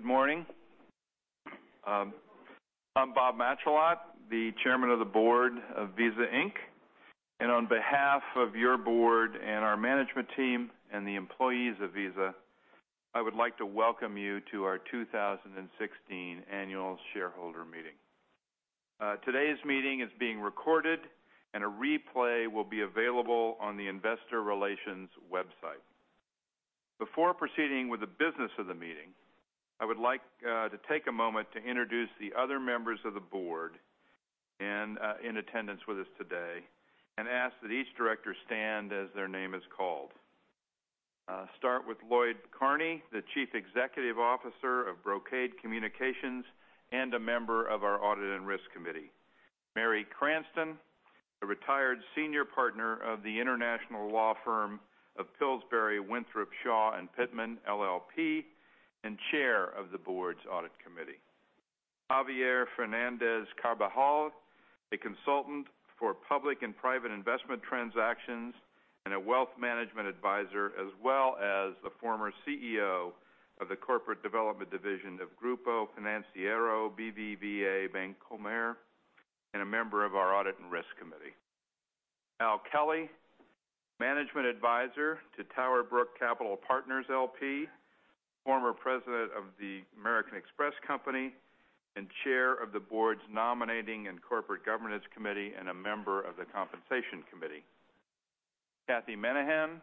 Good morning. I'm Bob Matschullat, the Chairman of the Board of Visa Inc. On behalf of your board and our management team and the employees of Visa, I would like to welcome you to our 2016 annual shareholder meeting. Today's meeting is being recorded, and a replay will be available on the investor relations website. Before proceeding with the business of the meeting, I would like to take a moment to introduce the other members of the board in attendance with us today, and ask that each director stand as their name is called. I'll start with Lloyd Carney, the Chief Executive Officer of Brocade Communications and a member of our audit and risk committee. Mary Cranston, a retired Senior Partner of the international law firm of Pillsbury, Winthrop, Shaw, and Pittman LLP, and Chair of the board's audit committee. Javier Fernández-Carbajal, a consultant for public and private investment transactions and a wealth management advisor, as well as the former CEO of the corporate development division of Grupo Financiero BBVA Bancomer, and a member of our audit and risk committee. Al Kelly, Management Advisor to TowerBrook Capital Partners LP, former President of the American Express Company, and Chair of the board's nominating and corporate governance committee, and a member of the compensation committee. Cathy Minehan,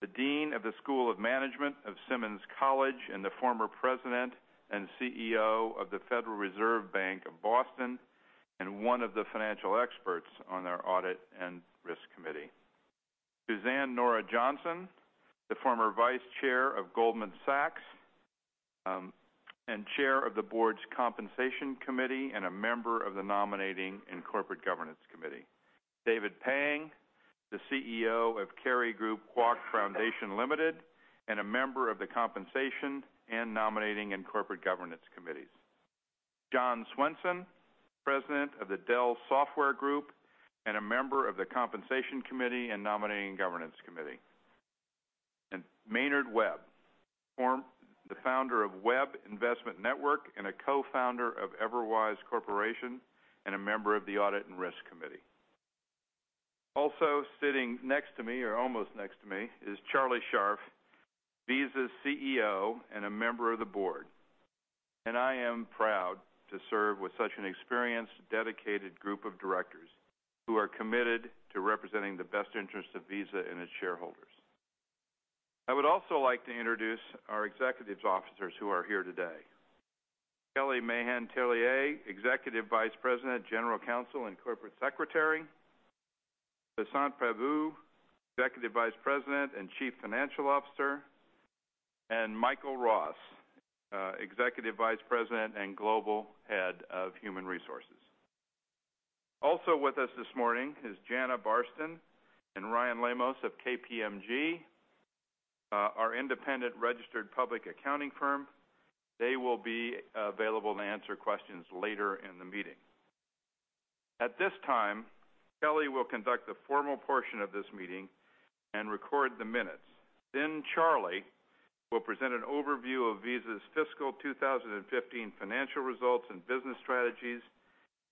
the Dean of the School of Management of Simmons College and the former President and CEO of the Federal Reserve Bank of Boston, and one of the financial experts on our audit and risk committee. Suzanne Nora Johnson, the former Vice Chair of Goldman Sachs, and Chair of the board's compensation committee, and a member of the nominating and corporate governance committee. David Pang, the CEO of Kerry Group Kuok Foundation Limited, and a member of the compensation and nominating and corporate governance committees. John Swainson, President of the Dell Software Group, and a member of the compensation committee and nominating governance committee. Maynard Webb, the Founder of Webb Investment Network and a Co-founder of Everwise Corporation, and a member of the audit and risk committee. Also sitting next to me, or almost next to me, is Charlie Scharf, Visa's CEO and a member of the board. I am proud to serve with such an experienced, dedicated group of directors who are committed to representing the best interests of Visa and its shareholders. I would also like to introduce our executives officers who are here today. Kelly Mahon Tullier, Executive Vice President, General Counsel, and Corporate Secretary. Vasant Prabhu, Executive Vice President and Chief Financial Officer, and Michael Ross, Executive Vice President and Global Head of Human Resources. Also with us this morning is Jana Barsten and Ryan Lemos of KPMG, our independent registered public accounting firm. They will be available to answer questions later in the meeting. At this time, Kelly will conduct the formal portion of this meeting and record the minutes. Charlie will present an overview of Visa's fiscal 2015 financial results and business strategies,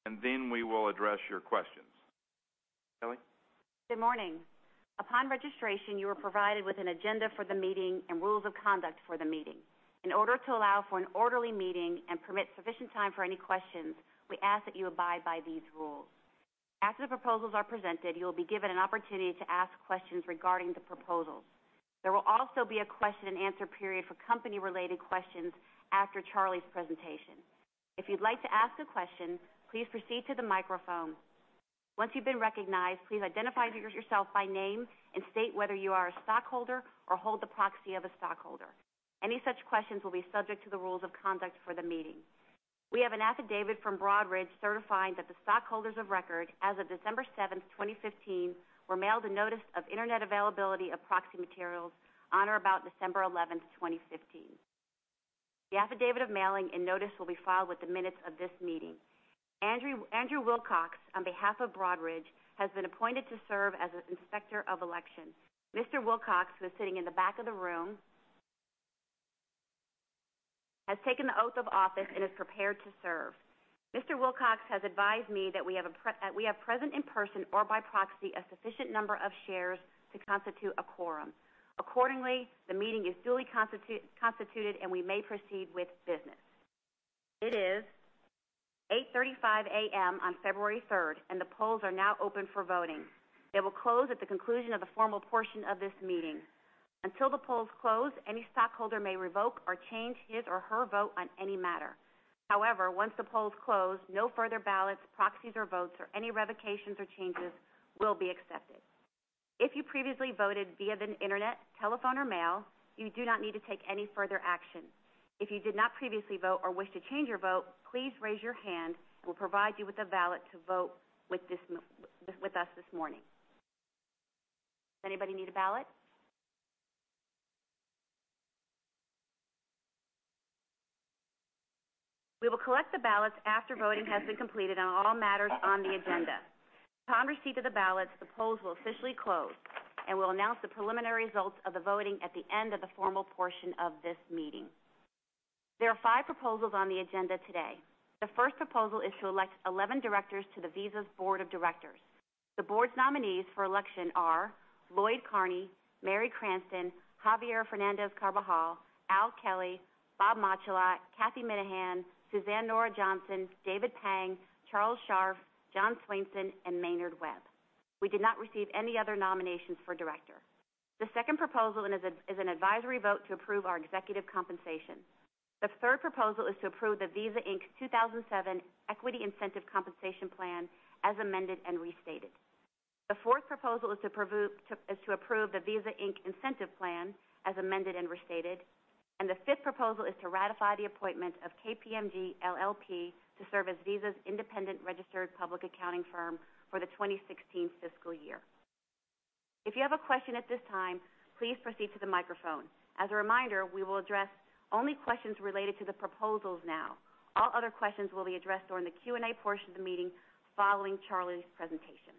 and then we will address your questions. Kelly? Good morning. Upon registration, you were provided with an agenda for the meeting and rules of conduct for the meeting. In order to allow for an orderly meeting and permit sufficient time for any questions, we ask that you abide by these rules. After the proposals are presented, you will be given an opportunity to ask questions regarding the proposals. There will also be a question and answer period for company-related questions after Charlie's presentation. If you'd like to ask a question, please proceed to the microphone. Once you've been recognized, please identify yourself by name and state whether you are a stockholder or hold the proxy of a stockholder. Any such questions will be subject to the rules of conduct for the meeting. We have an affidavit from Broadridge certifying that the stockholders of record as of December 7, 2015, were mailed a notice of internet availability of proxy materials on or about December 11, 2015. The affidavit of mailing and notice will be filed with the minutes of this meeting. Andrew Wilcox, on behalf of Broadridge, has been appointed to serve as an inspector of elections. Mr. Wilcox, who is sitting in the back of the room, has taken the oath of office and is prepared to serve. Mr. Wilcox has advised me that we have present in person or by proxy a sufficient number of shares to constitute a quorum. Accordingly, the meeting is duly constituted, and we may proceed with business. It is 8:35 A.M. on February 3, and the polls are now open for voting. They will close at the conclusion of the formal portion of this meeting. Until the polls close, any stockholder may revoke or change his or her vote on any matter. However, once the polls close, no further ballots, proxies, or votes, or any revocations or changes will be accepted. If you previously voted via the internet, telephone or mail, you do not need to take any further action. If you did not previously vote or wish to change your vote, please raise your hand and we'll provide you with a ballot to vote with us this morning. Does anybody need a ballot? We will collect the ballots after voting has been completed on all matters on the agenda. Upon receipt of the ballots, the polls will officially close, and we'll announce the preliminary results of the voting at the end of the formal portion of this meeting. There are five proposals on the agenda today. The first proposal is to elect 11 directors to the Visa's Board of Directors. The board's nominees for election are Lloyd Carney, Mary Cranston, Javier Fernández-Carbajal, Al Kelly, Bob Matschullat, Cathy Minehan, Suzanne Nora Johnson, David Pang, Charles Scharf, John Swainson, and Maynard Webb. We did not receive any other nominations for director. The second proposal is an advisory vote to approve our executive compensation. The third proposal is to approve the Visa Inc. 2007 Equity Incentive Compensation Plan as amended and restated. The fourth proposal is to approve the Visa Inc. Incentive Plan as amended and restated. The fifth proposal is to ratify the appointment of KPMG LLP to serve as Visa's independent registered public accounting firm for the 2016 fiscal year. If you have a question at this time, please proceed to the microphone. As a reminder, we will address only questions related to the proposals now. All other questions will be addressed during the Q&A portion of the meeting following Charlie's presentation.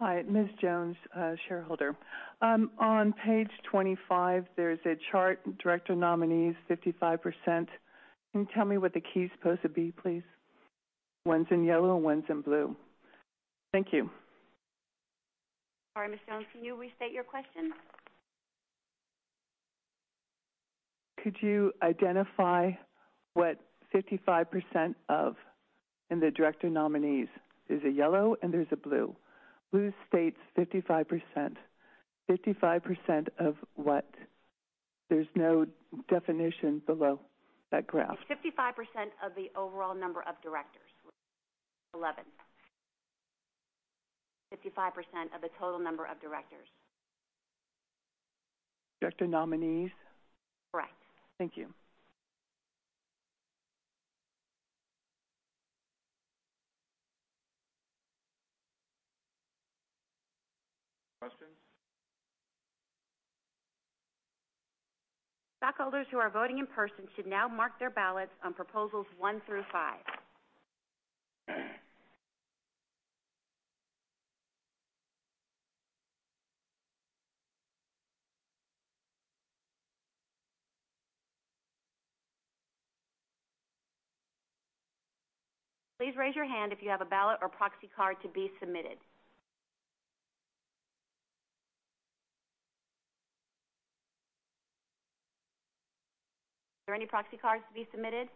Hi, Ms. Jones, shareholder. On page 25, there's a chart, director nominees, 55%. Can you tell me what the key's supposed to be, please? One's in yellow, one's in blue. Thank you. Sorry, Ms. Jones, can you restate your question? Could you identify what 55% of in the director nominees. There's a yellow and there's a blue. Blue states 55%. 55% of what? There's no definition below that graph. It's 55% of the overall number of directors, 11. 55% of the total number of directors. Director nominees? Correct. Thank you. Questions? Stockholders who are voting in person should now mark their ballots on proposals one through five. Please raise your hand if you have a ballot or proxy card to be submitted. Are there any proxy cards to be submitted?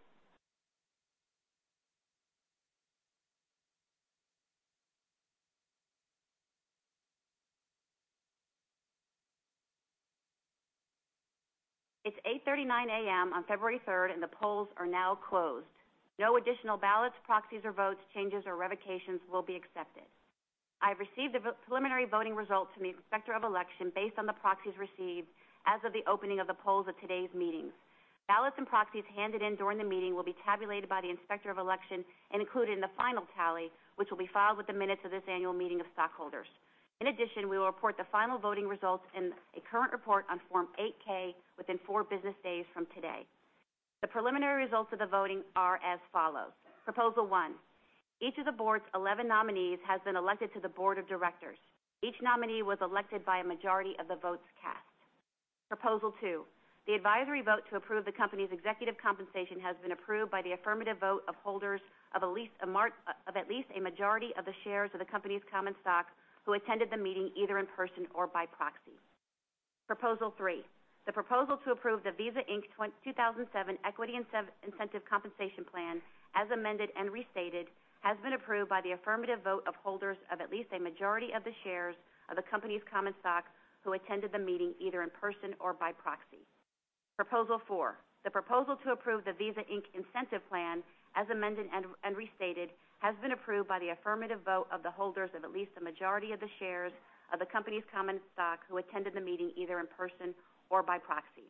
It's 8:39 A.M. on February 3rd, and the polls are now closed. No additional ballots, proxies or votes, changes, or revocations will be accepted. I have received the preliminary voting results from the Inspector of Election based on the proxies received as of the opening of the polls at today's meeting. Ballots and proxies handed in during the meeting will be tabulated by the Inspector of Election and included in the final tally, which will be filed with the minutes of this annual meeting of stockholders. In addition, we will report the final voting results in a current report on Form 8-K within four business days from today. The preliminary results of the voting are as follows. Proposal one, each of the board's 11 nominees has been elected to the board of directors. Each nominee was elected by a majority of the votes cast. Proposal two, the advisory vote to approve the company's executive compensation has been approved by the affirmative vote of holders of at least a majority of the shares of the company's common stock who attended the meeting either in person or by proxy. Proposal three, the proposal to approve the Visa Inc. 2007 Equity Incentive Compensation Plan as amended and restated has been approved by the affirmative vote of holders of at least a majority of the shares of the company's common stock who attended the meeting either in person or by proxy. Proposal four, the proposal to approve the Visa Inc. Incentive Plan as amended and restated has been approved by the affirmative vote of the holders of at least a majority of the shares of the company's common stock who attended the meeting either in person or by proxy.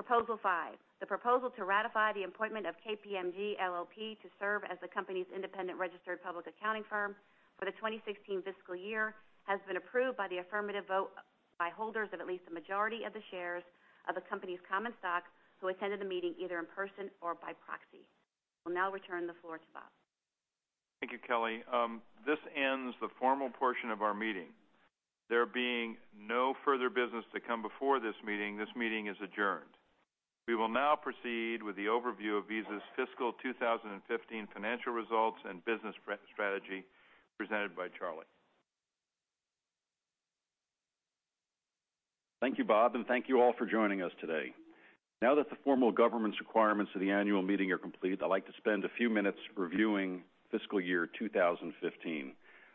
Proposal five, the proposal to ratify the appointment of KPMG LLP to serve as the company's independent registered public accounting firm for the 2016 fiscal year has been approved by the affirmative vote by holders of at least a majority of the shares of the company's common stock who attended the meeting either in person or by proxy. Will now return the floor to Bob. Thank you, Kelly. This ends the formal portion of our meeting. There being no further business to come before this meeting, this meeting is adjourned. We will now proceed with the overview of Visa's fiscal 2015 financial results and business strategy presented by Charlie. Thank you, Bob, and thank you all for joining us today. Now that the formal governance requirements of the annual meeting are complete, I'd like to spend a few minutes reviewing fiscal year 2015.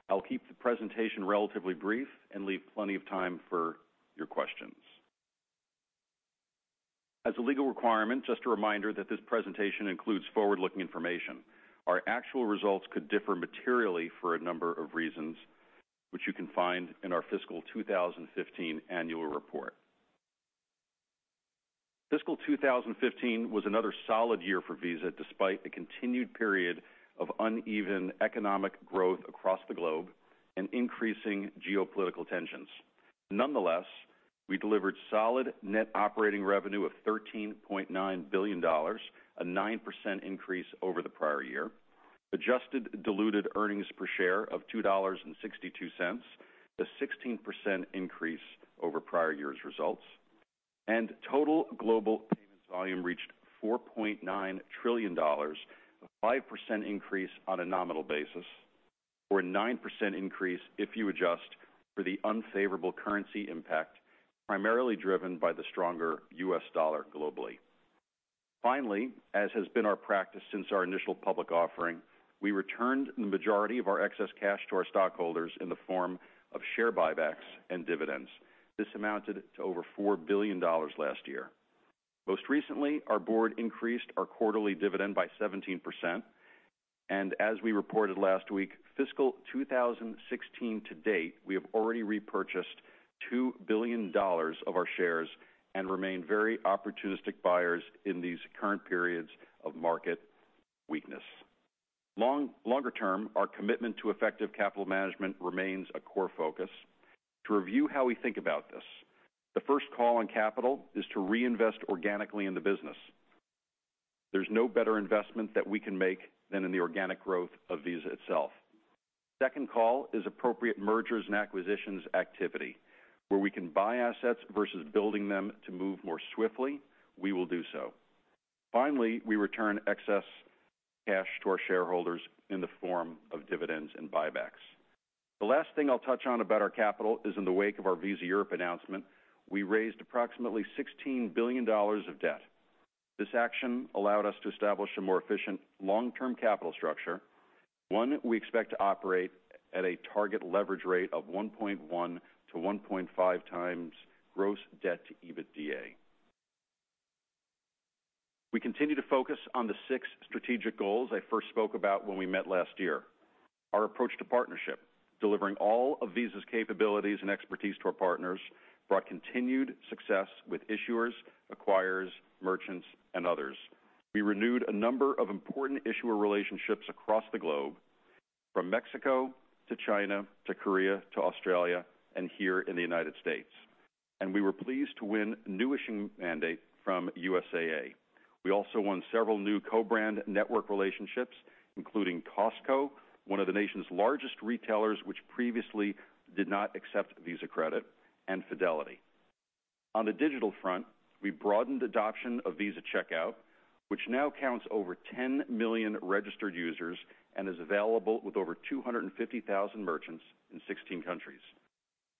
I'll keep the presentation relatively brief and leave plenty of time for your questions. As a legal requirement, just a reminder that this presentation includes forward-looking information. Our actual results could differ materially for a number of reasons, which you can find in our fiscal 2015 annual Fiscal 2015 was another solid year for Visa despite a continued period of uneven economic growth across the globe and increasing geopolitical tensions. Nonetheless, we delivered solid net operating revenue of $13.9 billion, a 9% increase over the prior year, adjusted diluted earnings per share of $2.62, a 16% increase over prior year's results, and total global payments volume reached $4.9 trillion, a 5% increase on a nominal basis, or a 9% increase if you adjust for the unfavorable currency impact, primarily driven by the stronger US dollar globally. Finally, as has been our practice since our initial public offering, we returned the majority of our excess cash to our stockholders in the form of share buybacks and dividends. This amounted to over $4 billion last year. Most recently, our board increased our quarterly dividend by 17%. As we reported last week, fiscal 2016 to date, we have already repurchased $2 billion of our shares and remain very opportunistic buyers in these current periods of market weakness. Longer term, our commitment to effective capital management remains a core focus. To review how we think about this, the first call on capital is to reinvest organically in the business. There's no better investment that we can make than in the organic growth of Visa itself. Second call is appropriate mergers and acquisitions activity, where we can buy assets versus building them to move more swiftly, we will do so. Finally, we return excess cash to our shareholders in the form of dividends and buybacks. The last thing I'll touch on about our capital is in the wake of our Visa Europe announcement, we raised approximately $16 billion of debt. This action allowed us to establish a more efficient long-term capital structure, one we expect to operate at a target leverage rate of 1.1-1.5x gross debt to EBITDA. We continue to focus on the six strategic goals I first spoke about when we met last year. Our approach to partnership, delivering all of Visa's capabilities and expertise to our partners, brought continued success with issuers, acquirers, merchants, and others. We renewed a number of important issuer relationships across the globe, from Mexico to China, to Korea, to Australia, and here in the U.S. We were pleased to win a new issuing mandate from USAA. We also won several new co-brand network relationships, including Costco, one of the nation's largest retailers, which previously did not accept Visa credit, and Fidelity. On the digital front, we broadened adoption of Visa Checkout, which now counts over 10 million registered users and is available with over 250,000 merchants in 16 countries.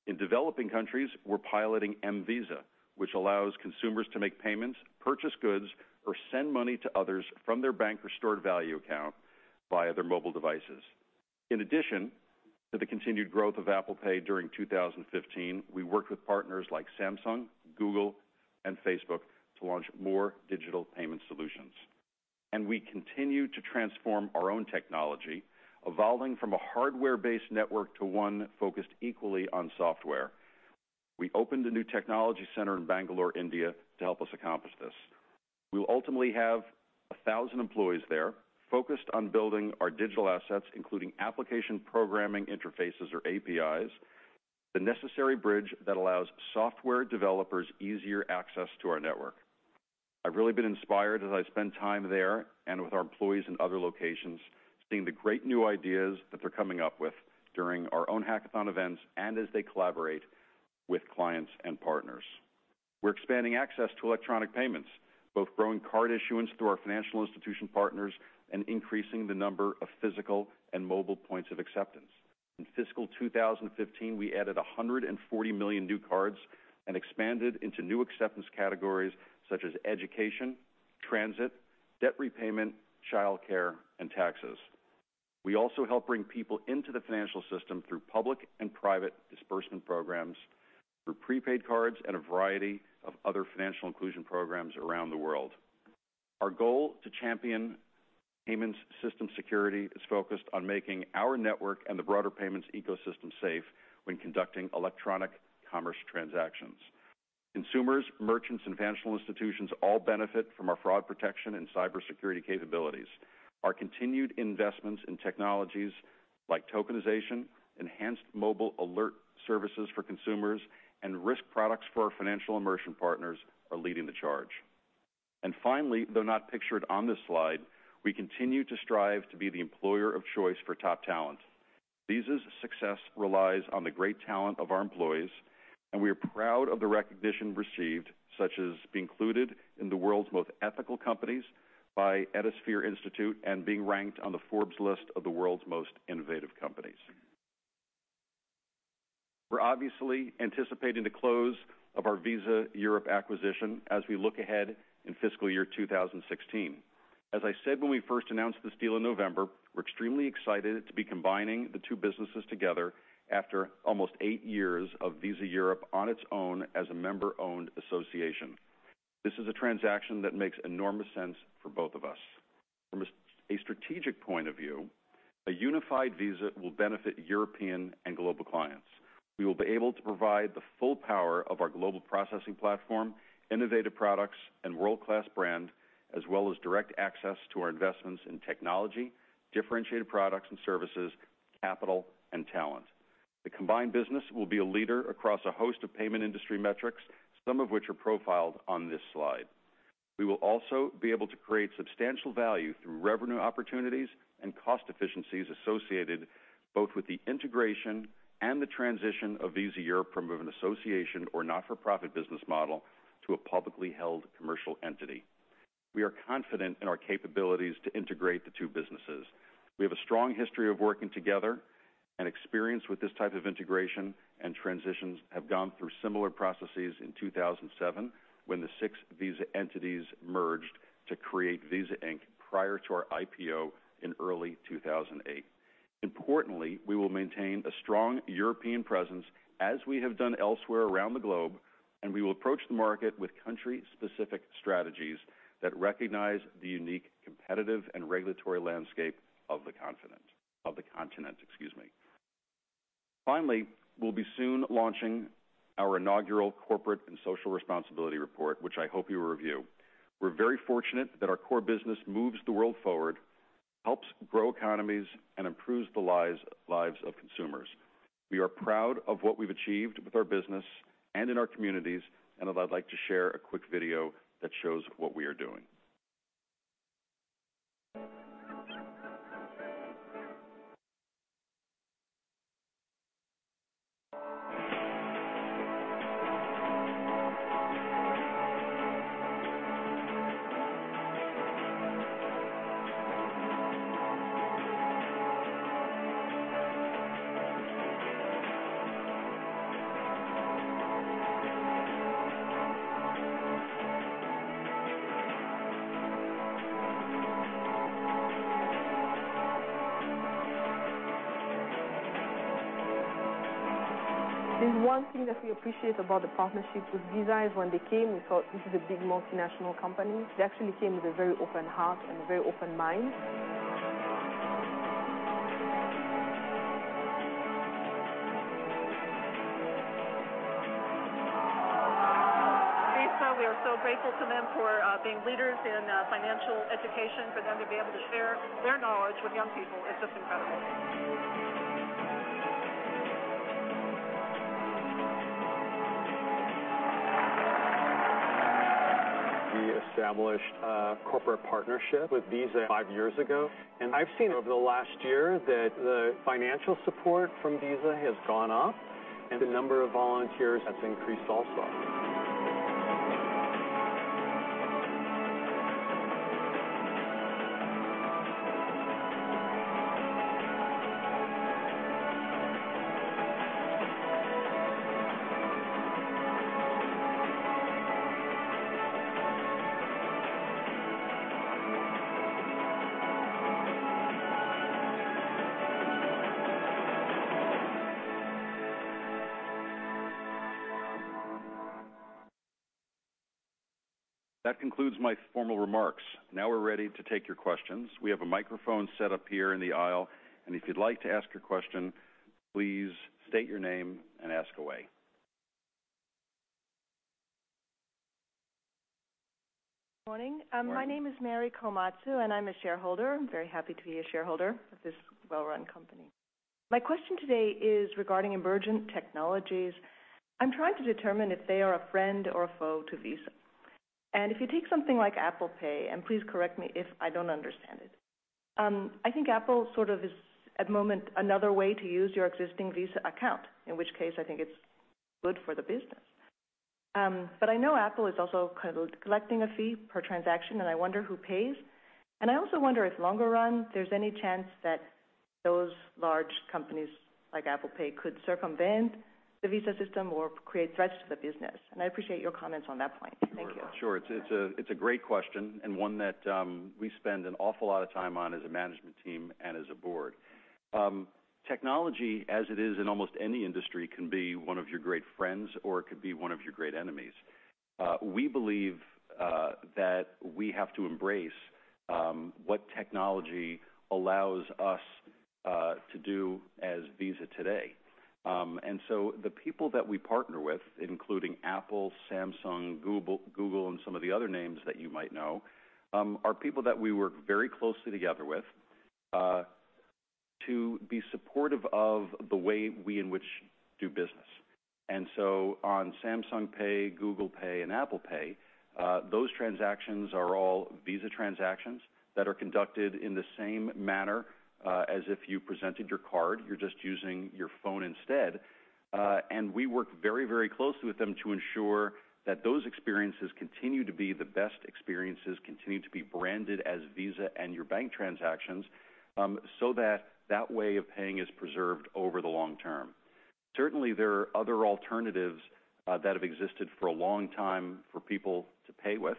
In developing countries, we're piloting mVisa, which allows consumers to make payments, purchase goods, or send money to others from their bank or stored value account via their mobile devices. In addition to the continued growth of Apple Pay during 2015, we worked with partners like Samsung, Google, and Facebook to launch more digital payment solutions. We continue to transform our own technology, evolving from a hardware-based network to one focused equally on software. We opened a new technology center in Bangalore, India, to help us accomplish this. We will ultimately have 1,000 employees there focused on building our digital assets, including application programming interfaces or APIs, the necessary bridge that allows software developers easier access to our network. I've really been inspired as I spend time there and with our employees in other locations, seeing the great new ideas that they're coming up with during our own hackathon events and as they collaborate with clients and partners. We're expanding access to electronic payments, both growing card issuance through our financial institution partners and increasing the number of physical and mobile points of acceptance. In fiscal 2015, we added 140 million new cards and expanded into new acceptance categories such as education, transit, debt repayment, childcare, and taxes. We also help bring people into the financial system through public and private disbursement programs, through prepaid cards, and a variety of other financial inclusion programs around the world. Our goal to champion payments system security is focused on making our network and the broader payments ecosystem safe when conducting electronic commerce transactions. Consumers, merchants, and financial institutions all benefit from our fraud protection and cybersecurity capabilities. Our continued investments in technologies like tokenization, enhanced mobile alert services for consumers, and risk products for our financial and merchant partners are leading the charge. Finally, though not pictured on this slide, we continue to strive to be the employer of choice for top talent. Visa's success relies on the great talent of our employees, and we are proud of the recognition received, such as being included in the world's most ethical companies by Ethisphere Institute and being ranked on the Forbes list of the world's most innovative companies. We're obviously anticipating the close of our Visa Europe acquisition as we look ahead in fiscal year 2016. As I said when we first announced this deal in November, we're extremely excited to be combining the two businesses together after almost eight years of Visa Europe on its own as a member-owned association. This is a transaction that makes enormous sense for both of us. From a strategic point of view, a unified Visa will benefit European and global clients. We will be able to provide the full power of our global processing platform, innovative products, and world-class brand, as well as direct access to our investments in technology, differentiated products and services, capital, and talent. The combined business will be a leader across a host of payment industry metrics, some of which are profiled on this slide. We will also be able to create substantial value through revenue opportunities and cost efficiencies associated both with the integration and the transition of Visa Europe from an association or not-for-profit business model to a publicly held commercial entity. We are confident in our capabilities to integrate the two businesses. We have a strong history of working together and experience with this type of integration, and transitions have gone through similar processes in 2007, when the six Visa entities merged to create Visa Inc. prior to our IPO in early 2008. Importantly, we will maintain a strong European presence as we have done elsewhere around the globe. We will approach the market with country-specific strategies that recognize the unique competitive and regulatory landscape of the continent. Finally, we'll be soon launching our inaugural corporate and social responsibility report, which I hope you review. We're very fortunate that our core business moves the world forward, helps grow economies, and improves the lives of consumers. We are proud of what we've achieved with our business and in our communities. I'd like to share a quick video that shows what we are doing. There's one thing that we appreciate about the partnership with Visa is when they came, we thought this is a big multinational company. They actually came with a very open heart and a very open mind. Visa, we are so grateful to them for being leaders in financial education. For them to be able to share their knowledge with young people is just incredible. We established a corporate partnership with Visa five years ago. I've seen over the last year that the financial support from Visa has gone up and the number of volunteers has increased also. That concludes my formal remarks. Now we're ready to take your questions. We have a microphone set up here in the aisle, if you'd like to ask your question, please state your name and ask away. Morning. Morning. My name is Mary Komatsu, and I'm a shareholder. I'm very happy to be a shareholder of this well-run company. My question today is regarding emergent technologies. I'm trying to determine if they are a friend or a foe to Visa. If you take something like Apple Pay, and please correct me if I don't understand it, I think Apple sort of is at the moment another way to use your existing Visa account, in which case I think it's good for the business. I know Apple is also collecting a fee per transaction, and I wonder who pays, and I also wonder if longer run, there's any chance that those large companies like Apple Pay could circumvent the Visa system or create threats to the business, and I appreciate your comments on that point. Thank you. Sure. It's a great question, and one that we spend an awful lot of time on as a management team and as a board. Technology, as it is in almost any industry, can be one of your great friends, or it could be one of your great enemies. We believe that we have to embrace what technology allows us to do as Visa today. The people that we partner with, including Apple, Samsung, Google, and some of the other names that you might know, are people that we work very closely together with to be supportive of the way we in which do business. On Samsung Pay, Google Pay, and Apple Pay, those transactions are all Visa transactions that are conducted in the same manner as if you presented your card. You're just using your phone instead. We work very closely with them to ensure that those experiences continue to be the best experiences, continue to be branded as Visa and your bank transactions, so that that way of paying is preserved over the long term. Certainly, there are other alternatives that have existed for a long time for people to pay with,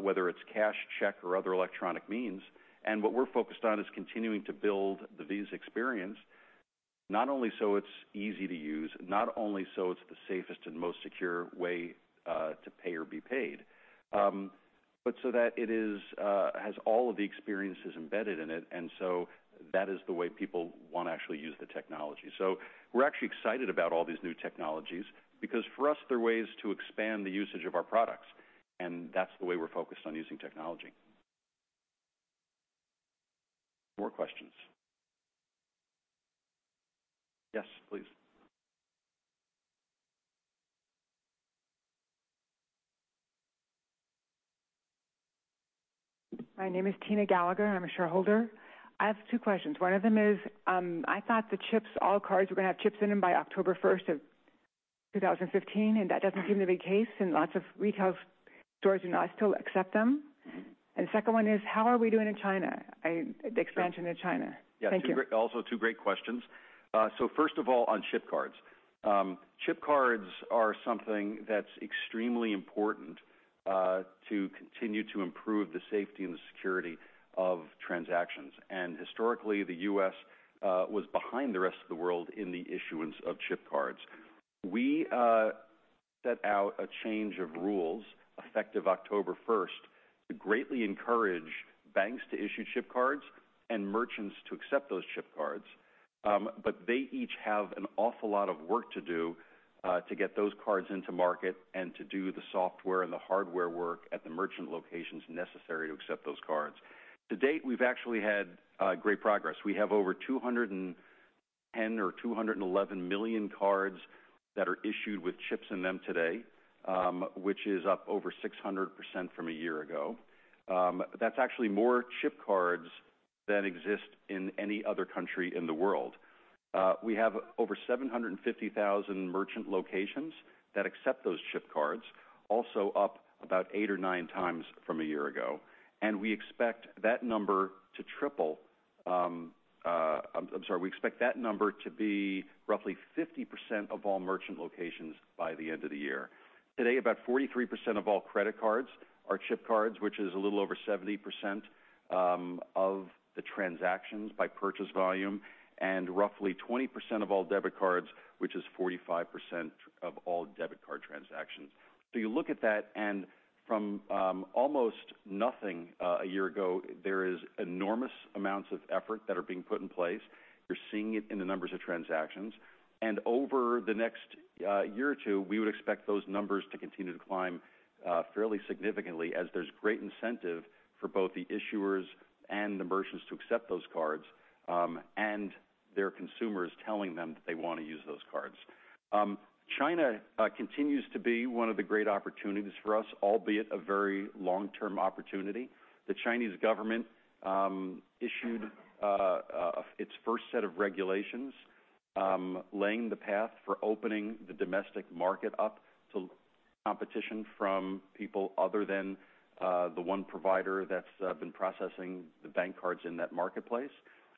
whether it's cash, check, or other electronic means. What we're focused on is continuing to build the Visa experience Not only so it's easy to use, not only so it's the safest and most secure way to pay or be paid, but so that it has all of the experiences embedded in it. That is the way people want to actually use the technology. We're actually excited about all these new technologies because for us, they're ways to expand the usage of our products, and that's the way we're focused on using technology. More questions? Yes, please. My name is Tena Gallagher, and I'm a shareholder. I have two questions. One of them is, I thought all cards were going to have chips in them by October 1st of 2015, and that doesn't seem to be the case, and lots of retail stores do not still accept them. The second one is, how are we doing in China, the expansion in China? Thank you. Yes. Also two great questions. First of all, on chip cards. Chip cards are something that's extremely important to continue to improve the safety and the security of transactions. Historically, the U.S. was behind the rest of the world in the issuance of chip cards. We set out a change of rules effective October 1st to greatly encourage banks to issue chip cards and merchants to accept those chip cards. They each have an awful lot of work to do to get those cards into market and to do the software and the hardware work at the merchant locations necessary to accept those cards. To date, we've actually had great progress. We have over 210 or 211 million cards that are issued with chips in them today, which is up over 600% from a year ago. That's actually more chip cards than exist in any other country in the world. We have over 750,000 merchant locations that accept those chip cards, also up about eight or nine times from a year ago. We expect that number to be roughly 50% of all merchant locations by the end of the year. Today, about 43% of all credit cards are chip cards, which is a little over 70% of the transactions by purchase volume, and roughly 20% of all debit cards, which is 45% of all debit card transactions. You look at that, and from almost nothing a year ago, there is enormous amounts of effort that are being put in place. You're seeing it in the numbers of transactions. Over the next year or two, we would expect those numbers to continue to climb fairly significantly as there's great incentive for both the issuers and the merchants to accept those cards, and their consumers telling them that they want to use those cards. China continues to be one of the great opportunities for us, albeit a very long-term opportunity. The Chinese government issued its first set of regulations laying the path for opening the domestic market up to competition from people other than the one provider that's been processing the bank cards in that marketplace.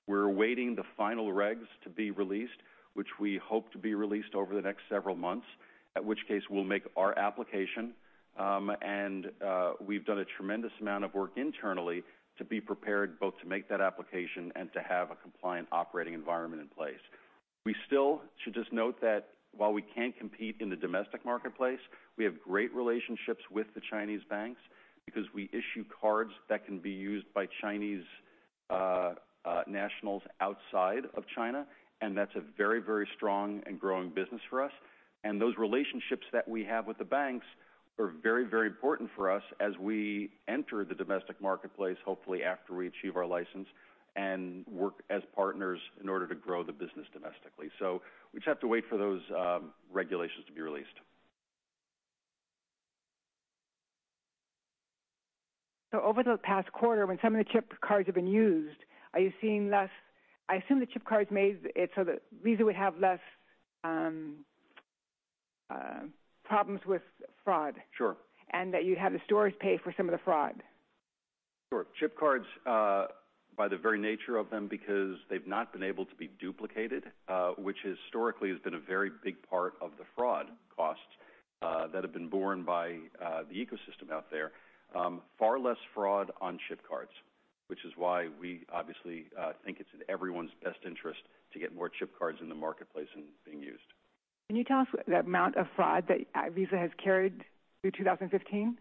We're awaiting the final regs to be released, which we hope to be released over the next several months. At which case, we'll make our application. We've done a tremendous amount of work internally to be prepared both to make that application and to have a compliant operating environment in place. We still should just note that while we can't compete in the domestic marketplace, we have great relationships with the Chinese banks because we issue cards that can be used by Chinese nationals outside of China, and that's a very strong and growing business for us. Those relationships that we have with the banks are very important for us as we enter the domestic marketplace, hopefully after we achieve our license, and work as partners in order to grow the business domestically. We just have to wait for those regulations to be released. Over the past quarter, when some of the chip cards have been used, I assume the chip cards made it so that Visa would have less problems with fraud. Sure. that you had the stores pay for some of the fraud. Sure. Chip cards by the very nature of them, because they've not been able to be duplicated, which historically has been a very big part of the fraud costs that have been borne by the ecosystem out there. Far less fraud on chip cards, which is why we obviously think it's in everyone's best interest to get more chip cards in the marketplace and being used. Can you tell us the amount of fraud that Visa has carried through 2015?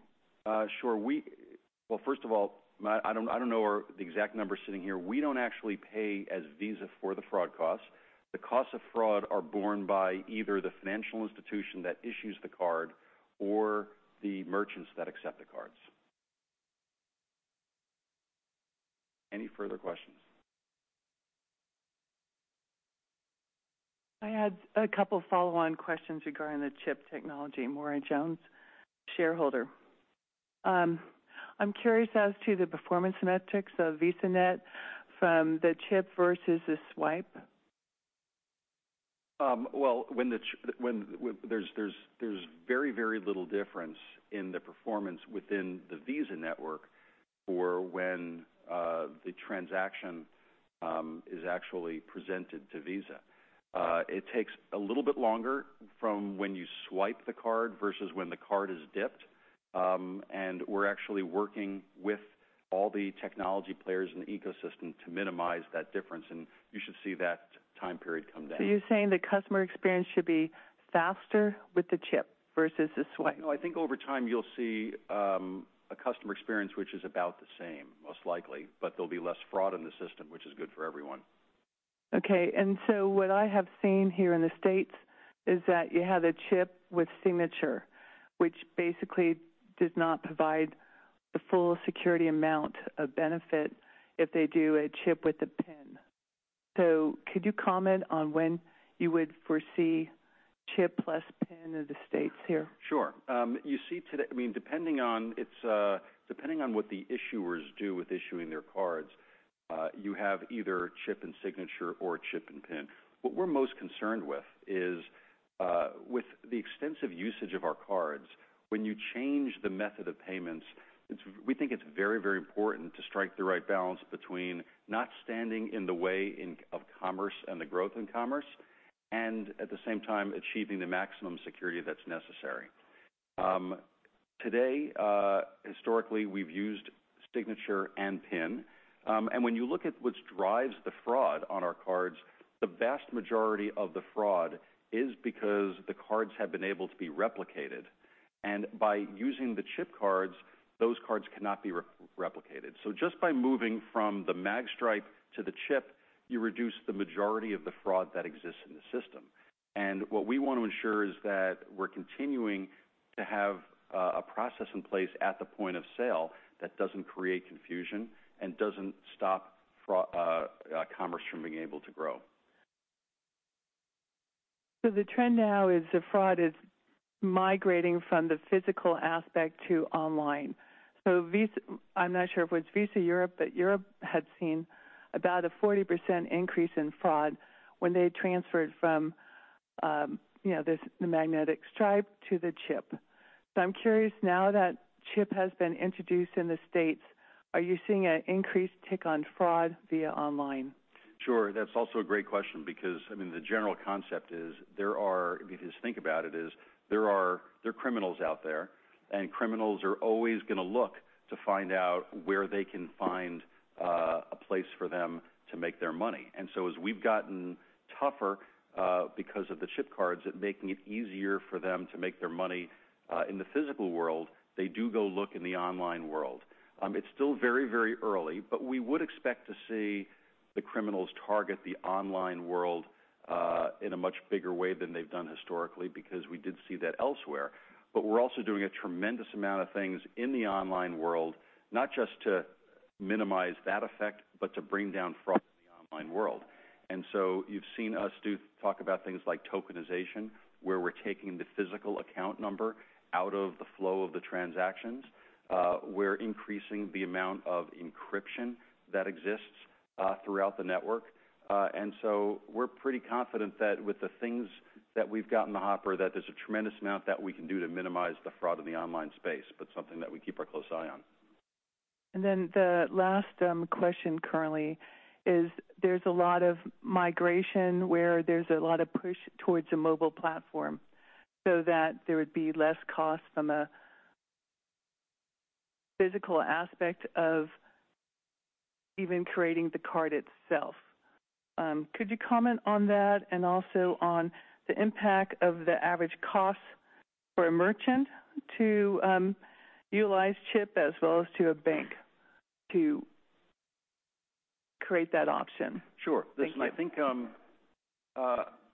Sure. Well, first of all, I don't know the exact number sitting here. We don't actually pay as Visa for the fraud costs. The costs of fraud are borne by either the financial institution that issues the card or the merchants that accept the cards. Any further questions? I had a couple follow-on questions regarding the chip technology. Maura Jones, shareholder. I'm curious as to the performance metrics of VisaNet from the chip versus the swipe. Well, there's very little difference in the performance within the Visa network for when the transaction is actually presented to Visa. It takes a little bit longer from when you swipe the card versus when the card is dipped. We're actually working with all the technology players in the ecosystem to minimize that difference. You should see that time period come down. You're saying the customer experience should be faster with the chip versus a swipe? No, I think over time you'll see a customer experience which is about the same, most likely. There'll be less fraud in the system, which is good for everyone. Okay, what I have seen here in the U.S. is that you have the chip with signature, which basically does not provide the full security amount of benefit if they do a chip with a PIN. Could you comment on when you would foresee chip plus PIN in the U.S. here? Sure. Depending on what the issuers do with issuing their cards, you have either chip and signature or chip and PIN. What we're most concerned with is with the extensive usage of our cards, when you change the method of payments, we think it's very important to strike the right balance between not standing in the way of commerce and the growth in commerce, and at the same time, achieving the maximum security that's necessary. Today, historically, we've used signature and PIN. When you look at what drives the fraud on our cards, the vast majority of the fraud is because the cards have been able to be replicated. By using the chip cards, those cards cannot be replicated. Just by moving from the mag stripe to the chip, you reduce the majority of the fraud that exists in the system. What we want to ensure is that we're continuing to have a process in place at the point of sale that doesn't create confusion and doesn't stop commerce from being able to grow. The trend now is the fraud is migrating from the physical aspect to online. I'm not sure if it was Visa Europe, but Europe had seen about a 40% increase in fraud when they transferred from the magnetic stripe to the chip. I'm curious, now that chip has been introduced in the U.S., are you seeing an increased tick on fraud via online? Sure. That's also a great question because the general concept is, if you just think about it, there are criminals out there, and criminals are always going to look to find out where they can find a place for them to make their money. As we've gotten tougher because of the chip cards at making it easier for them to make their money in the physical world, they do go look in the online world. It's still very early, we would expect to see the criminals target the online world in a much bigger way than they've done historically because we did see that elsewhere. We're also doing a tremendous amount of things in the online world, not just to minimize that effect, but to bring down fraud in the online world. You've seen us talk about things like tokenization, where we're taking the physical account number out of the flow of the transactions. We're increasing the amount of encryption that exists throughout the network. We're pretty confident that with the things that we've got in the hopper, that there's a tremendous amount that we can do to minimize the fraud in the online space, but something that we keep our close eye on. The last question currently is there's a lot of migration where there's a lot of push towards a mobile platform so that there would be less cost from a physical aspect of even creating the card itself. Could you comment on that and also on the impact of the average cost for a merchant to utilize chip as well as to a bank to create that option? Sure. Thank you. Listen, I think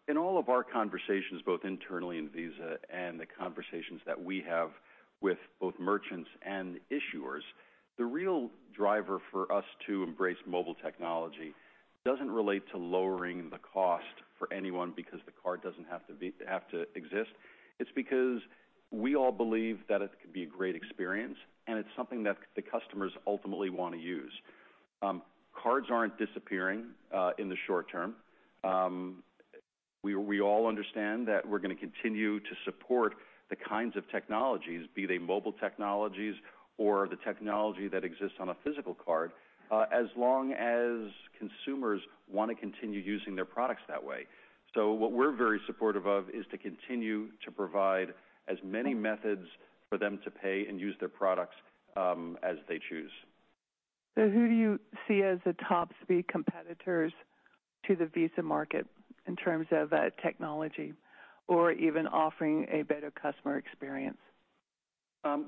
in all of our conversations, both internally in Visa and the conversations that we have with both merchants and issuers, the real driver for us to embrace mobile technology doesn't relate to lowering the cost for anyone because the card doesn't have to exist. It's because we all believe that it could be a great experience, and it's something that the customers ultimately want to use. Cards aren't disappearing in the short term. We all understand that we're going to continue to support the kinds of technologies, be they mobile technologies or the technology that exists on a physical card, as long as consumers want to continue using their products that way. What we're very supportive of is to continue to provide as many methods for them to pay and use their products as they choose. Who do you see as the top speed competitors to the Visa market in terms of technology or even offering a better customer experience?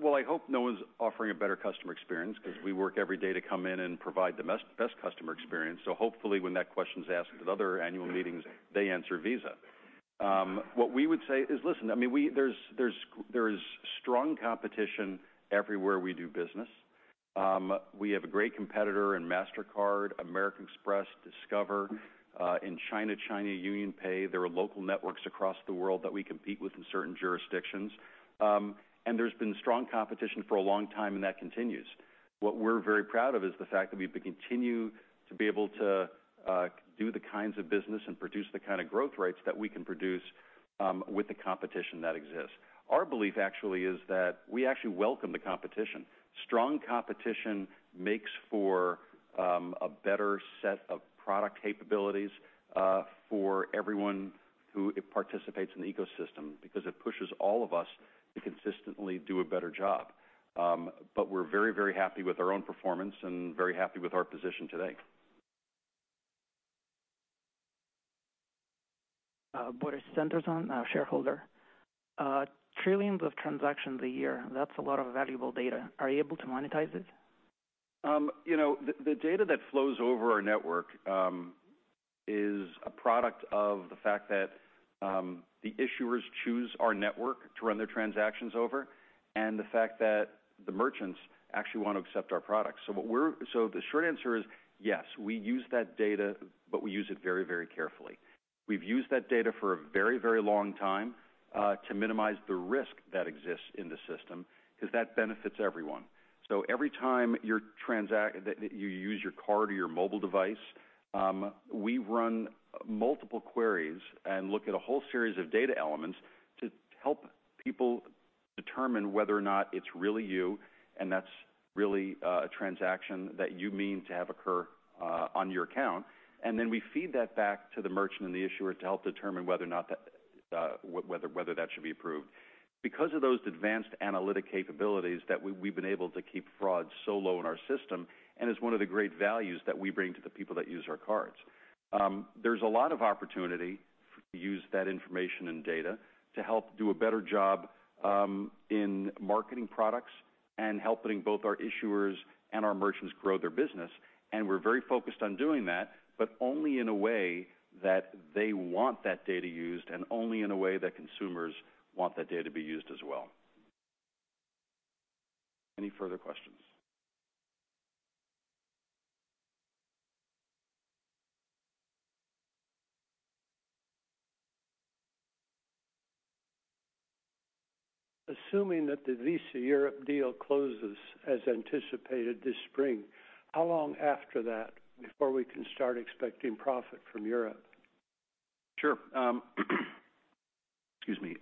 Well, I hope no one's offering a better customer experience because we work every day to come in and provide the best customer experience. Hopefully when that question's asked at other annual meetings, they answer Visa. What we would say is, listen, there's strong competition everywhere we do business. We have a great competitor in Mastercard, American Express, Discover. In China UnionPay. There are local networks across the world that we compete with in certain jurisdictions. There's been strong competition for a long time, and that continues. What we're very proud of is the fact that we continue to be able to do the kinds of business and produce the kind of growth rates that we can produce with the competition that exists. Our belief actually is that we actually welcome the competition. Strong competition makes for a better set of product capabilities for everyone who participates in the ecosystem because it pushes all of us to consistently do a better job. We're very happy with our own performance and very happy with our position today. Boris Senderson, shareholder. Trillions of transactions a year, that's a lot of valuable data. Are you able to monetize it? The data that flows over our network is a product of the fact that the issuers choose our network to run their transactions over, and the fact that the merchants actually want to accept our products. The short answer is yes, we use that data, but we use it very carefully. We've used that data for a very long time to minimize the risk that exists in the system because that benefits everyone. Every time you use your card or your mobile device, we run multiple queries and look at a whole series of data elements to help people determine whether or not it's really you, and that's really a transaction that you mean to have occur on your account. Then we feed that back to the merchant and the issuer to help determine whether that should be approved. Because of those advanced analytic capabilities we've been able to keep fraud so low in our system, and it's one of the great values that we bring to the people that use our cards. There's a lot of opportunity to use that information and data to help do a better job in marketing products and helping both our issuers and our merchants grow their business. We're very focused on doing that, but only in a way that they want that data used, and only in a way that consumers want that data to be used as well. Any further questions? Assuming that the Visa Europe deal closes as anticipated this spring, how long after that before we can start expecting profit from Europe? Sure. Excuse me.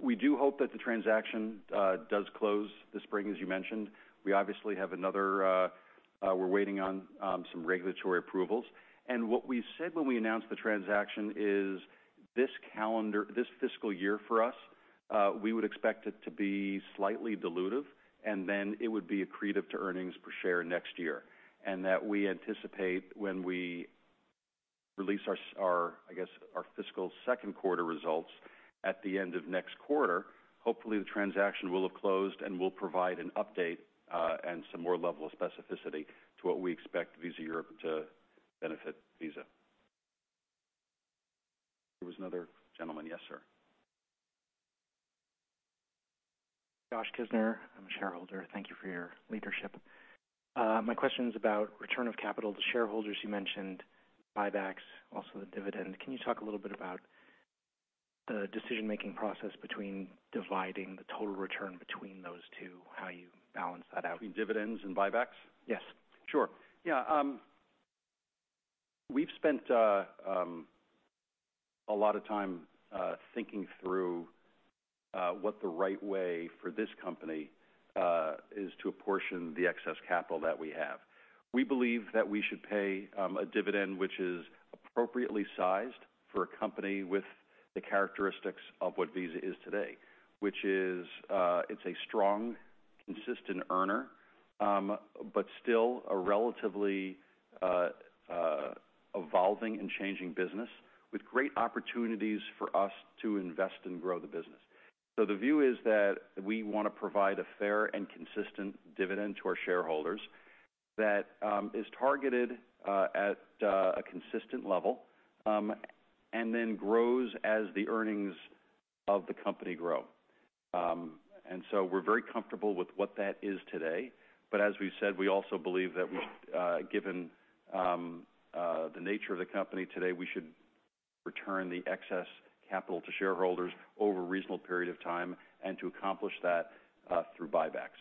We do hope that the transaction does close this spring, as you mentioned. We obviously have another. We're waiting on some regulatory approvals. What we said when we announced the transaction is this fiscal year for us, we would expect it to be slightly dilutive, and then it would be accretive to earnings per share next year, and that we anticipate when we release our, I guess, our fiscal second quarter results at the end of next quarter. Hopefully, the transaction will have closed, and we'll provide an update, and some more level of specificity to what we expect Visa Europe to benefit Visa. There was another gentleman. Yes, sir. Josh Kisner. I'm a shareholder. Thank you for your leadership. My question is about return of capital to shareholders. You mentioned buybacks, also the dividend. Can you talk a little bit about the decision-making process between dividing the total return between those two, how you balance that out? Between dividends and buybacks? Yes. Sure. Yeah. We've spent a lot of time thinking through what the right way for this company is to apportion the excess capital that we have. We believe that we should pay a dividend which is appropriately sized for a company with the characteristics of what Visa is today, which is it's a strong, consistent earner. Still a relatively evolving and changing business with great opportunities for us to invest and grow the business. The view is that we want to provide a fair and consistent dividend to our shareholders that is targeted at a consistent level and then grows as the earnings of the company grow. We're very comfortable with what that is today. As we've said, we also believe that given the nature of the company today, we should return the excess capital to shareholders over a reasonable period of time and to accomplish that through buybacks.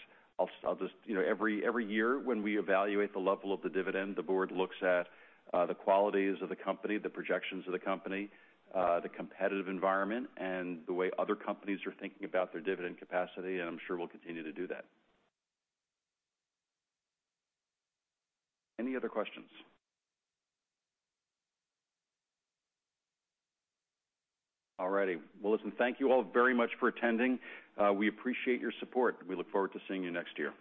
Every year when we evaluate the level of the dividend, the board looks at the qualities of the company, the projections of the company, the competitive environment, and the way other companies are thinking about their dividend capacity, and I'm sure we'll continue to do that. Any other questions? All right. Well, listen, thank you all very much for attending. We appreciate your support. We look forward to seeing you next year.